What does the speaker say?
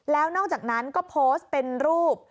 แล้วนอกจากนั้นก็โพสต์เป็นรูป